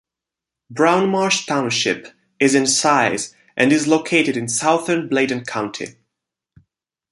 Brown Marsh Township is in size and is located in southern Bladen County.